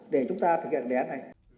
để chúng ta thực hiện đề án này